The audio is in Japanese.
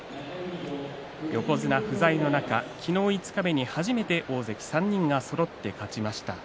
横綱不在の中、昨日五日目に初めて大関３人がそろって勝ちました。